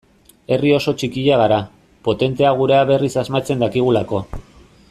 Herri oso txikia gara, potentea gurea berriz asmatzen dakigulako.